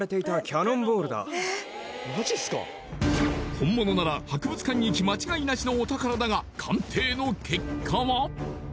本物なら博物館行き間違いなしのお宝だが鑑定の結果は？